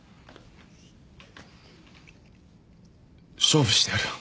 勝負してやるよ。